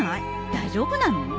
大丈夫なの？